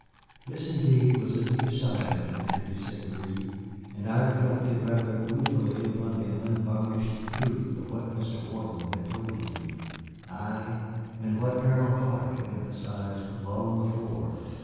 This indeed was a new side of Monsieur de St. Gré, and I reflected rather ruefully upon the unvarnished truth of what Mr. Wharton had told me, ay, and what Colonel Clark had emphasized long before.